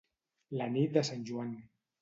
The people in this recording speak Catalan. La nit de Sant Joan.